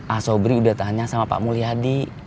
asobri udah tanya sama pak muli hadi